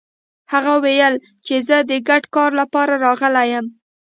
هغه ويل چې زه د ګډ کار لپاره راغلی يم.